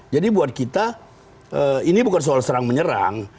jadi buat kita ini bukan soal serang menyerang